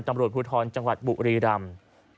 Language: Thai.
ตำรวจภูทรจังหวัดบุรีรำ